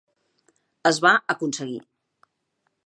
Es va aconseguir.